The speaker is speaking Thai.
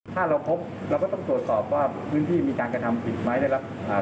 ถ้าเราพบเราก็ต้องตรวจสอบว่าพื้นที่มีการกระทำผิดไหมได้รับอ่า